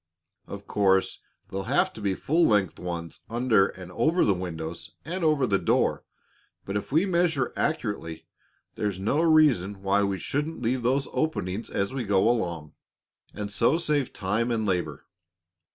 Of course there'll have to be full length ones under and over the windows and over the door; but if we measure accurately, there's no reason why we shouldn't leave these openings as we go along, and so save time and labor.